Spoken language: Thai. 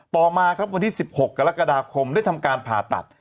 ต่อมาครับวันที่๑๖กรกฎาคมได้ทำการผ่าตัด